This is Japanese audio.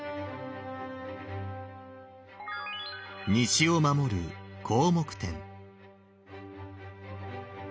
西を守る広目天。